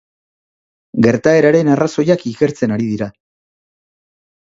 Gertaeraren arrazoiak ikertzen ari dira.